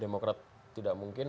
demokrat tidak mungkin